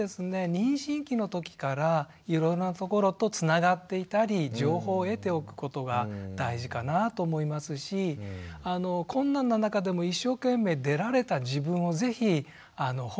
妊娠期のときからいろいろなところとつながっていたり情報を得ておくことが大事かなと思いますし困難な中でも一生懸命出られた自分を是非褒めてあげて頂ければと思います。